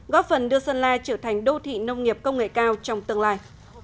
góp phần đưa sơn la trở thành đô thị nông nghiệp công nghệ cao trong tương lai